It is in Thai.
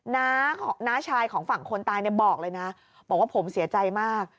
น้าชายของฝั่งคนตายเนี่ยบอกเลยนะบอกว่าผมเสียใจมาก